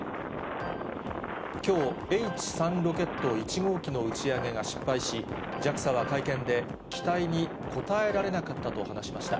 きょう、Ｈ３ロケット１号機の打ち上げが失敗し、ＪＡＸＡは会見で、期待に応えられなかったと話しました。